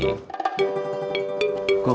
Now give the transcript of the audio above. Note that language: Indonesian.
kamu tadi bilang cari